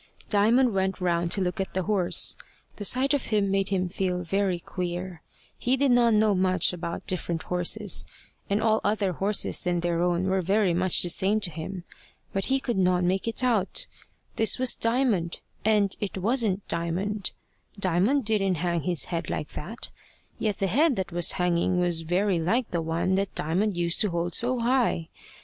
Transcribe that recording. Diamond went round to look at the horse. The sight of him made him feel very queer. He did not know much about different horses, and all other horses than their own were very much the same to him. But he could not make it out. This was Diamond and it wasn't Diamond. Diamond didn't hang his head like that; yet the head that was hanging was very like the one that Diamond used to hold so high.